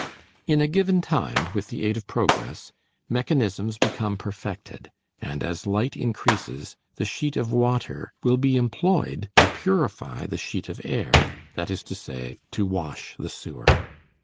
In a given time, with the aid of progress, mechanisms become perfected, and as light increases, the sheet of water will be employed to purify the sheet of air; that is to say, to wash the sewer.